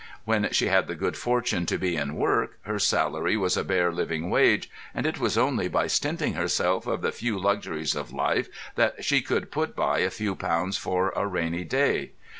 When she had the good fortune to be in work, her salary was a bare living wage, and it was only by stinting herself of the few luxuries of life that she could put by a few pounds for a rainy day.